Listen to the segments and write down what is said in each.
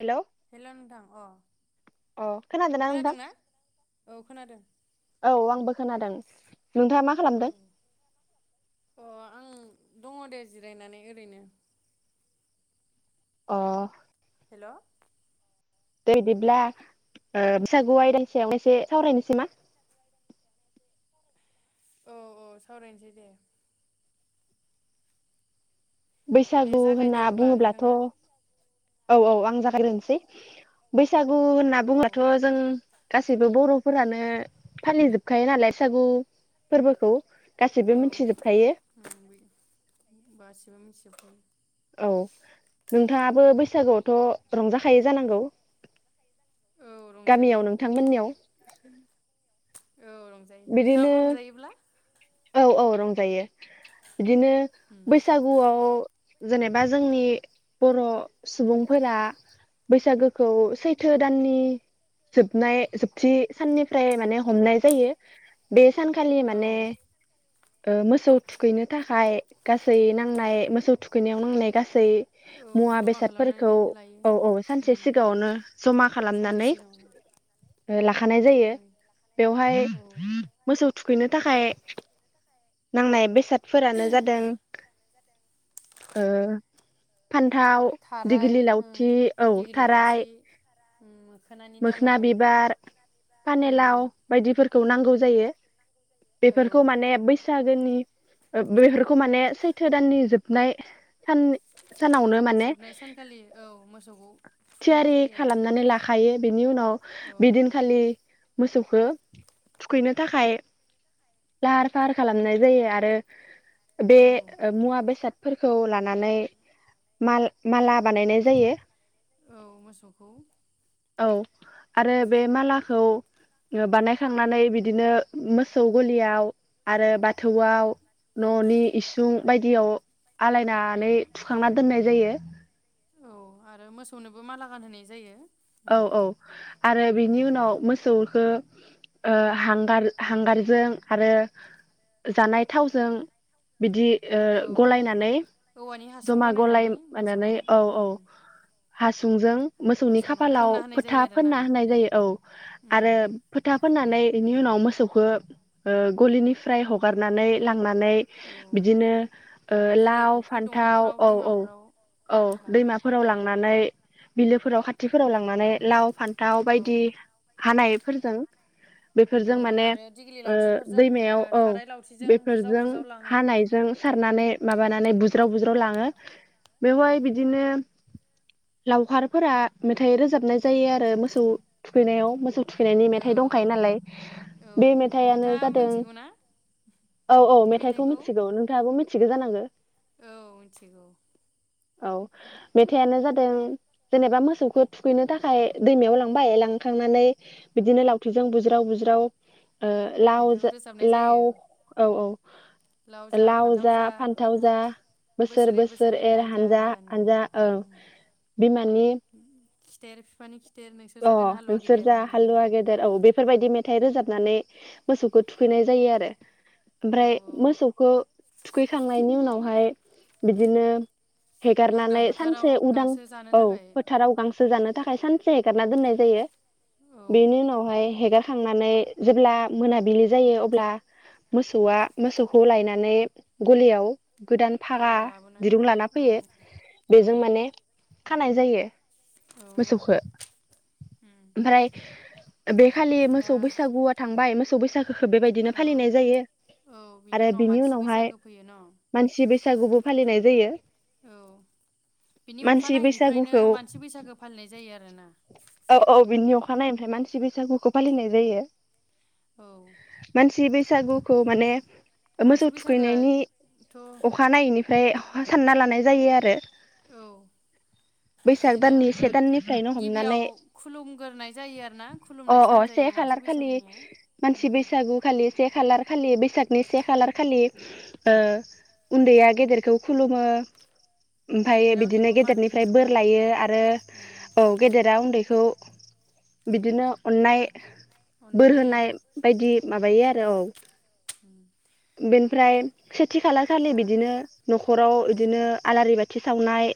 Hello hello नोंथां अ अ खोनादोंना नोंथां खोनादों ना औ खोनादों औ आंबो खोनादों नोंथाङा मा खालामदों? औ अ आं दङ दे जिरायनानै ओरैनो। अ हेल' दे उम इदिब्ला बैसागु आयदानि सायाव एसे सावरायनोसै मा औ औ सावरायनोसै दे दे बैसागु होनना जागायदो अब्ला बुङोब्लाथ' नोंथाङा औ औ आं जागायग्रोनोसै बैसागु होनना औ बुङोबाथ' जों गासैबो बर'फोरानो फालिजोबखायो नालाय बैसागु फोरबोखौ औ गासिबो मिथिजोबखायो [inaudible] औ नोंथाङाबो बैसागुआवथ' रंजाखायै जानांगौ औ गामियाव रंजायो नोंथांमोननियाव औ रंजायो बिदिनो नोंथाङाबो रंजायोब्ला औ औ रंजायो बिदिनो उम बैसागुआव जेनेबा जोंनि बर' सुबुंफोरा बैसागोखौ सैथो दाननि जोबनाय जोबथि साननिफ्राय माने हमनाय जायो बे सानखालि औ माने मोसौ थुखैनो थाखाय गासै नांनाय मोसौ थुखैनायाव नांनाय गासै औ मुवा जमा खालामनानै बेसादफोरखौ लायो औ औ सानसे उम सिगाङावनो जमा सानसे खालामनानै सिगाङावनो लाखानाय जायो उम बेवहाय औ मोसौ थुखैनो थाखाय नांनाय बेसाद फोरानो जादों फानथाव थाव थाराय दिग्लि ओं लावथि औ दिगिलि लावथि थाराय उम मोखोनानि मोखोना दालाय बिबार फानि लाव उम बायदिफोरखौ नांगौ जायो बेफोरखौ औ माने बैसागोनि बेफोरखौ माने सैथ थो दाननि जोबनाय सान सानावनो माने जोबनाय सानखालि औ मोसौखौ थुखैनाय जायो आरो ए बिनि उनाव बिदिनखालि मोसौखो थुखैनो थाखाय लाहार फाहार खालामनाय जायो आरो बे औ मुवा बेसाद फोरखौ लानानै माल ओ माला बानायनाय जायो औ मोसौखौ औ आरो बे मालाखौ ओ बानायखांनानै बिदिनो मोसौ गलियाव आरो बाथौआव न'नि इसुं बायदियाव आलायनानै थुखांना दोननाय जायो औ आरो मोसौनोबो माला गानहोनाय जायो औ उम औ आरो उम बिनि उनाव मोसौखो ओ हांगार हांगारजों आरो जानाय थावजों बिदि ओ औ गलायनानै औवानि हासुं जमा गलाय बानायनानै मानानै मोसौनाव औ औ ओं हास सुंजों मोसौनि खा मोसौनाव फोनना लाव होनाय जायो फोथा आरोना फोनना होनाय जायो औ उम आरो फोथा फोननानै इनि उनाव मोसौखो ओ गलिनिफ्राय हगारनानै ला नानै औ बिदिनो ओ बिलो लाव फुख्रि फान्थाव दंग'फ्राव औ औ दैमाफोराव औ लाङो दैमाफोराव लांनानै बिलोफोराव खा थिफोराव लांनानै लाव फान्थाव औ बायदि हानायफोरजों औ बेफोरजों माने आरो दिग्लि ओ लावथिफोरजों ओ दैमायाव औ थाराय लावथिजों बुरजाव बेफोरजों बुरजाव लाङो हानायजों सारनानै माबानानै बुज्राव बुज्राव लाङो उम बेवहाय बिदिनो लावखारफोरा मेथाइ रोजाबनाय जायो आरो मोसौ थुखैनायाव मोसौ थुखैनायनि मेथाइ औ दंखायो नालाय औ बे मेथाइयानो नोंथाङा जादों मिथिगौ ना औ औ मेथाइखौ मिथिगौ नोंथाङाबो मि थिगो जानांगो औ मोनथिगौ औ मेथायानो जादों जेनेबा मोसौ खौ थुखैनो थाखाय दैमायाव लांबाय लांखांनानै बिदिनो लावथिजों बुज्राव बुज्राव ओ लाव मेथाइखौ जा रोजाबनाय लाव जायो औ औ लाव जा फान्थाव जा बोसोर बोसोर एर हानजा हानजा ओं बिमानि खिथेर फिफानि खि अ नोंसोर जा हालुवा गेदेर औ बेफोरबायदि मेथाइ रोजाब नानै मोसौखौ थुखैनाय जायो आरो औ ओमफ्राय मोसौखो थुखैखांनायनि उनावहाय बिदिनो लांदां हेगारनानै फोथाराव सानसे उदां गांसो जानो औ थाखाय फोथाराव गांसो जानो थाखाय सानसे हगारना दोननाय जायो औ बेनि उनावहाय हेगारखांनानै जेब्ला मोनाबिलि जायो अब्ला मोसौआ मोसौखौ लायनानै गलियाव गोदान औ फागा लाबोनानै दिरुं लाना औ फैयो औ बेजों माने खानाय जायो औ औ मोसौखौ उम ओमफ्राय बे खालि दा मोसौ बैसागुआ थांबाय मोसौ बैसा बेबायदिनो औ फालिनाय जायो औ आरो उनाव बिनि मानसि उनावहाय बैसागो फैयो न' मानसि बैसागुबो फालिनाय जायो औ बिनि मानसि अखानायैनिफ्रायनो बैसागुखौ मानसि बैसागो फालिनाय जायो आरोना औ औ बिनि अखा फानाय ओमफ्राय मानसि बैसागुखौ फालिनाय जायो औ मानसि बैसा बैसागुखौ माने मोसौ मानसि थुखैनायनि बैसागोआथ' अखानायैनिफ्राय ओमफ्राय सानना लानाय जायो आरो औ बैसाग बिदिनो दाननि से दाननिफ्रानो हम गिबियाव खुलुमग्रोनाय जायो आरो ना अ खुलुमनाय सान से जायो मानसि खालार खालि बैसागोनिया मानसि बैसागु खालि से खालार खालि बैसागनि से खालार खालि ओ उन्दैया गेदेरखौ खुलुमो उम ओमफ्राय गेदेरा बिदिनो उन्दैखौ मान गेदेरनिफ्राय होयो बोर लायो होयो आरो उम औ गेदेरा उन्दैखौ बिदिनो अननाय अननाय बोर होयो होनाय बायदि उम माबायो आरो औ उम बेनि ओमफ्राय खेथि खाला खालि दा बिदिनो न'खराव बिदिनो आलारि बाथि साननाय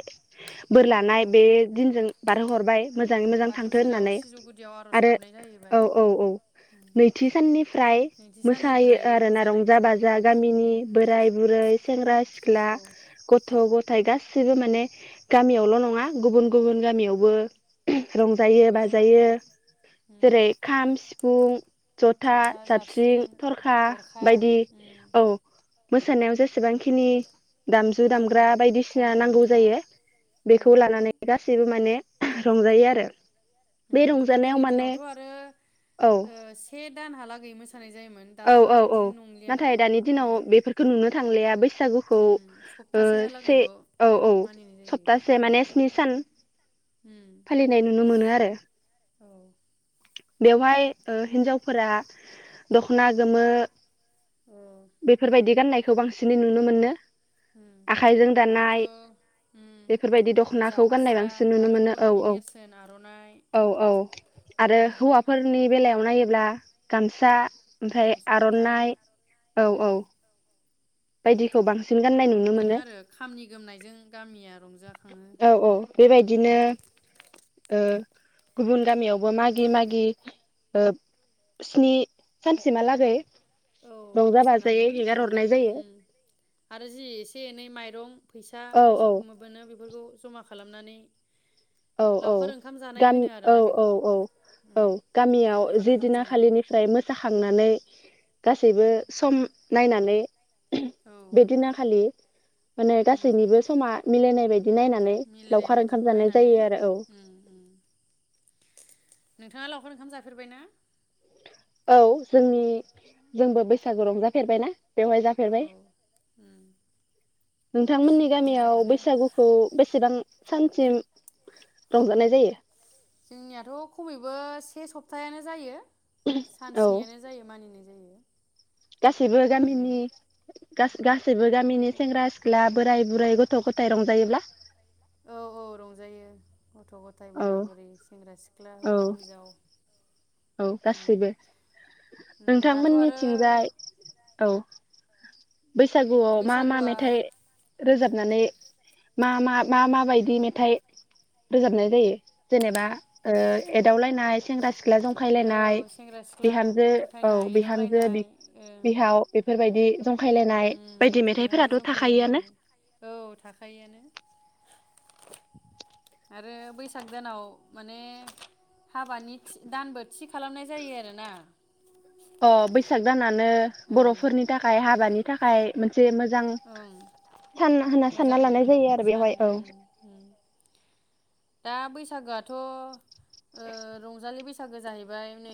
बोर औ लानाय बे दिन बारहोहरबाय उम मोजाङै मोजां बाथौ थांथों सेराव होननानै सिजौ गुदियाव आर'ज आरो गाबनाय जाहैबाय औ औ औ नैथि साननिफ्राय नैथि मोसायो साननिफ्राय आरोना रंजानाय रंजा बाजा गामिनि बोराय बुरै सेंग्रा सिख्ला औ गथ' गथ' नाथाय गासिबो माने गामियावल' नङा गुबुन गुबुन गामियाव बो रंजायो ओं बाजायो उम जेरै खाम सिफुं जथा साबस्रिं थरखा गरखा बायदि उम औ मोसानायाव जेसेबांखिनि दामजु नांगौ दामग्रा बायदिसिना जानाय नांगौ मुवा जायो बेखौ लानानै गासैबो माने रंजायो आरो बे रंजानायाव गोदोनि माने दिनावथ' आरो औ ओ से दान हालागौ औ औ औ नाथाय दानि दिनाव उम बेफोरखौ नुनो थांले बै बैसागुखौ उम ओ से सप्तासेहालागैल' औ औ मानिनाय जायो सप्तासे उम माने स्नि सान उम फालिनाय नुनो मोनो आरो औ बेवहाय ओ‌ हिन्जावफोरा दखना गोमो औ खौ बांसिनै नुनो मोनो उम आखाइजों आरोथ' दानाय उम बेफोरबायदि गोजा दख'नाखौ गाननाय फास्रा बांसिन नुनो आरो मोनो औ बर'नि औ नेरसोन आर'नाइ औ औ आरो उम हौवाफोरनि बेलायाव नायोब्ला गामसा ओमफ्राय गामसा गोथां आर'नाइ औ औ उम बायदिखौ बांसिन गाननाय नुनो बिदिनो मोनो आरो खामानि गोमनायजों गामिया रंजाखाङो। औ औ बेबायदिनो ओ गुबुन गामियावबो मागि मागि स्नि ओ सानसिमहालागै औ रंजा बाजायै‌ मोसानानै हेगार मोननाय हरनाय जायो। उम आरो जि एसे एनै माइरं फैसा औ औ फैसा मोबो बेफोरखौ जमा खालामनानै औ औ लावखार ओंखाम जानाय गाम होनो औ आरोना औ बेखौ औ औ उम गामियाव लावखार ज ओंखाम दिना जायो खालिनिफ्राय मोसाखांनानै गासैबो सम नायनानै औ बेदिना खालि माने उम गासैनिबो समा मिलायनाय बायदि नायनानै मिलायनाय लावखार ओंखाम बायदिखौ जानाय नायनानै जायो आरो औ। उम उम नोंथाङा लावखार ओंखाम जाफेरबाय ना? औ जोंनि जोंबो बैसागु रंजाफेरबायना। बेवहाय औ जाफेरबाय। उम नोंथांमोननि गामियाव मोजाङानो बैसागुखौ बेसेबां सानसिम रंजानाय जायो? जोंनियाथ खमैबो से सप्थायानो जायो। औ सान्सिनियानो जायो मानिनाय जायो। गासैबो उम गामिनि गासैबो गामिनि सेंग्रा सिख्ला बोराय बुरै गथ गथाय रंजायोब्ला औ औ रंजायो। गथ गथाय औ बोराय बुरै सेंग्रा सिख्ला। सिख्ला औ हौवा हिन्जाव औ उम गासैबो उम दाथ' आरो नोंथांमोननिथिंजाय औ बैसागुआव मा मा बैसागुआ मेथाइ रोजाबनानै मा मा मा माबायदि मेथाइ रोजाबनाय जायो जेनेबा ओ एदावलायनाय सेंग्रा सि सिख्ला औ जंखायलायनाय सेंग्रा सिख्ला बिहामजो औ बुरखायनाय बिहामजो बि एदावलायनाय ओं -बिहाव बेफोरबायदि बे जंखायलायनाय उम बायदि बिहामजो मेथाइफोराथ थाखायोआनो। जंखायलायनाय औ थाखायोआनो आरो बैसाग दानाव माने हाबानि दानबो थि खालामनाय जायो आरोना। अ बैसाग दानानो ओं बर'फोरनि थाखाय हा बानि थाखाय मोनसे बे मोजां ओं सान होनना सानना मोजां लानाय जायो आरो सान बेवहाय औ उम उम दा बैसागोआथ' ओ रंजालि बैसा बैसागो जाहैबाय नै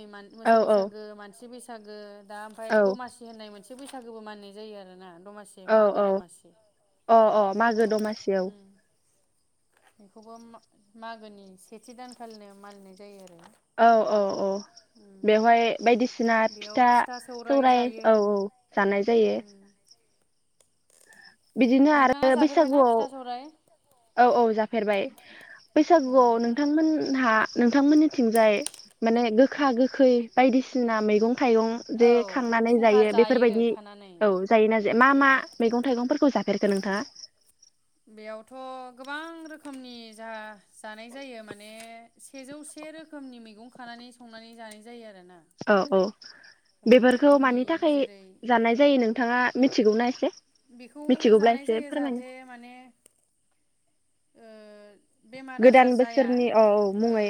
औ मोसौ औ बैसागो मानसि बैसागो सागो दा ओमफ्राय औ दमासि होननाय मोनसे एसे बैसागोबो मानिनाय जायो आरो ना दमासि औ मागो औ दमासि अ अ बेखौबो मागो दमासियाव उम बेखौबो मा -मागोनि सेथि दानखालिनो मानिलिनाय जायो आरो औ औ औ उम बेवहाय बायदिसिना सिना बेयाव फिथा सौराइ सौरायाइ जायो औ औ जानाय जायो उम बिदिनो नोंथाङा आरो जाफेरबायना बैसागुआव फिथा सौराय औ औ जाफेरबाय औ बैसागुआव नोंथांमोनहा नोंथांमोननिथिंजाय माने गो गोखा गोखै बायदिसिना मैगं थाइगं जे औ खांनानै फुंखा जायो बेफोरबायदि खानानै औ जायोना जाया मा मा औ मैगं थाइगंफोरखौ जा [inaudible] फेरखो नोंथाङा बेयावथ' गोबां रोखोमनि जा जानाय जायो माने सेजौसे रोखोमनि मैगं खानानै संनानै जानाय जायो आरो औ औ बेफोरखौ रोखोमनि मानि थाखाय जेरै जानाय जायो नोंथाङा मिथिगौना एसे बेखौ मिथिगौब्ला जानाय एसे जायो फोरमायनो जाहाथे माने ओ बेमार गोदान आजार जाया बोसोरनि औ औ ओ मुङै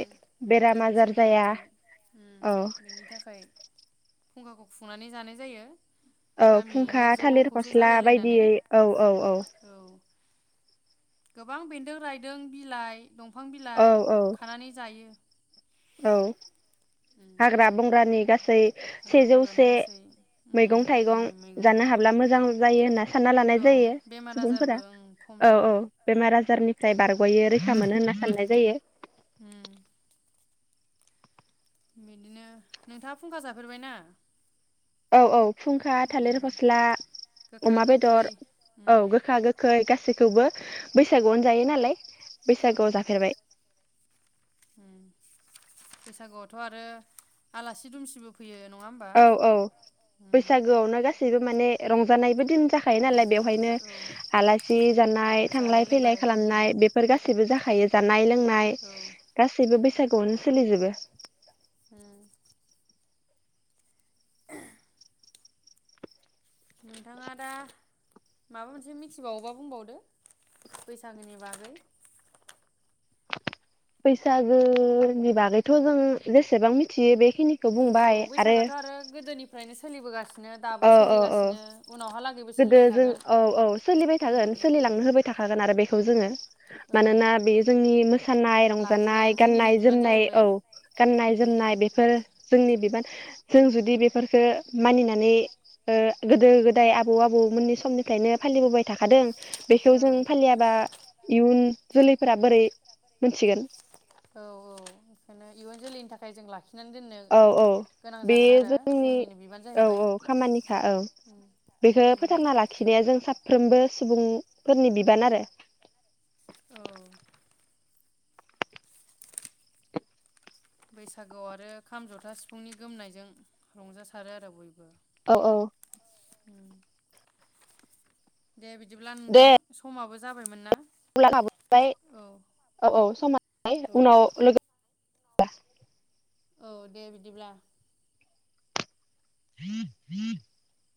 बेराम गोदान आजार बोसोरनि जाया मुङै औ बेनि थाखाय फुंखाखौ खुंनानै जानाय जायो औ गामियैनो फुंखा ज' थालिर खौसे फस्ला जालायलायनानै बायदियै औ औ औ गोबां बेन्दों रायदों बिलाइ दंफां औ बिलाइ औ खानानै जायो। औ उम हाग्रा बंग्रानि गासैबो [inaudible] हाग्रा बंग्रानि सेजौसे गासै उम मैगं थाइगं रोखोमनि जानो मैगंखौ हाब्ला मोजां जायो होनना सानना लानाय औ जायो बेमार आजारबो सुबुंफोरा ओं खम औ औ जायो बेमार आजारनिफ्राय बारग'यो रैखा मोनो होनना उम साननाय जायो। उम बिदिनो नोंथाङा खुंख्रा जाफेरबायना? औ औ खुंख्रा थालिर उम फस्ला गोखा अमा गोखै बेदर उम औ गोखा गोखै गासैखौबो बैसागुआवनो जायो नालाय औ बैसागुआव जाफेरबाय बैसागुआवथ' आरो आलासि दुमसिबो फैयो। नङा होमबा औ औ उम बैसागोआव नो गा गासिबो माने रंजानायबो दिन जाखायो नालाय रंजानाय बेवहायनो औ आलासि जानाय जालायलायबाय थांलाय-फैलाय उम खालामनाय बेफोर गासैबो गासिबो जाखायो जानाय-लोंनाय औ गासैबो बैसाग बे बावनो सोलि जोबो उम। नोंथाङा दा माबा मोनसे मिथिबावोबा बुंबावदो बैसागोनि बागै बैसागोनि बागैथ' जों जेसेबां मिथियो बेखिनि औ बैसागोथ' आरो गोदोनिफ्रायनो सोलि बोगासिनो। औ औ औ गोदो सोलिबाय जों थागोन औ औ सोलिबाय थागोन उम सोलिलांनो होबाय थाखागोन आरो बे खौ जोङो। ओं मानोना बेयो जोंनि मोसानाय रंजानाय लाखिनाया जोंनिनो बिबान गाननाय-जोमनाय जाहैबाय औ उम गाननाय-जोमनाय बेफोर जोंनि बिबान जों जुदि बेफोरफोरखौ मानिनानै गोदो गोदाय आबौ आबै मोननि समनिफ्रायनो फालिबोबाय थाखादों बेखौ औ जों फालियाबा इयुन जोलैफोरा बोरै औ औ मोनथिगोन बे ओंखायनो इयुन जोलैनि थाखाय जों लाखि औ औ बे जोंनि जोंनिनो बिबान औ जाहैबाय औ खामानिखा औ बेखो उम फोथांना लाखिनाया जों साब साफ्रोमबो सुबुंफोरनि बिबान आरो औ। बैसागुआव आरो खाम जथा सिफुंनि गोमनायजों रंजाथारो आरो बयबो औ औ। [inaudible] दे बिदिब्ला दे नोंथां समाबो जाबायमोन ना [unintelligible] औ औ औ समानाय औ उनाव लोगो दा औ दे बिदिब्ला [inaudible]